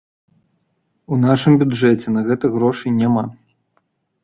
У нашым бюджэце на гэта грошай няма.